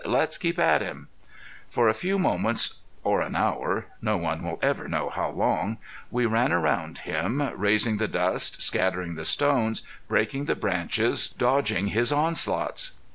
"Let's keep at him." For a few moments or an hour no one will ever know how long we ran round him, raising the dust, scattering the stones, breaking the branches, dodging his onslaughts.